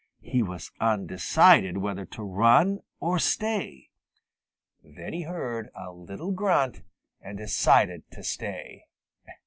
He was undecided whether to run or stay. Then he heard a little grunt and decided to stay.